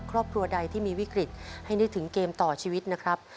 ครอบครัวใดที่มีวิกฤตให้นึกถึงเกมต่อชีวิตนะครับ